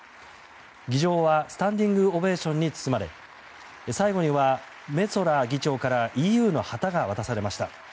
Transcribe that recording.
議場はスタンディングオベーションに包まれ最後にはメツォラ議長からＥＵの旗が渡されました。